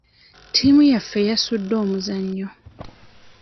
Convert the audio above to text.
Ttiimu yaffe yasudde omuzannyo.